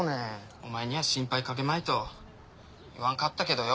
お前には心配かけまいと言わんかったけどよ。